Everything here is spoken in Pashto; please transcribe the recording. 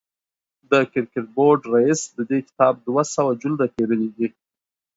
د کرکټ بورډ رئیس د دې کتاب دوه سوه جلده پېرلي دي.